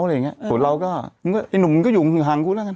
ส่วนเราก็ไอ้หนุ่มมันก็อยู่ฮังกูแล้ว